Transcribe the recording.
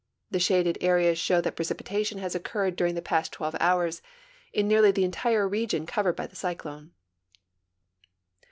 The shaded areas show that precipitation has occurred during the l^ast 12 hours in nearly the entire region covered by the cyclone.